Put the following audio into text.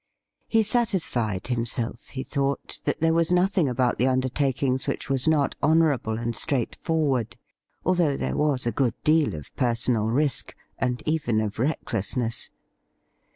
He satis fied himself, he thought, that there was nothing about the undertakings which was not honourable and straight forward, although there was a good deal of personal risk, and even of recklessness.